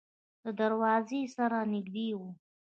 د دروازې سره نږدې و.